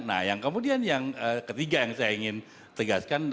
nah yang kemudian yang ketiga yang saya ingin tegaskan